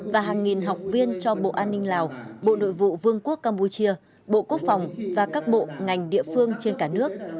và hàng nghìn học viên cho bộ an ninh lào bộ nội vụ vương quốc campuchia bộ quốc phòng và các bộ ngành địa phương trên cả nước